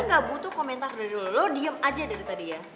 gak butuh komentar dari dulu lo diem aja dari tadi ya